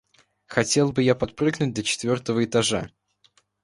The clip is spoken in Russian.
Хотел бы я подпрыгнуть до четвёртого этажа!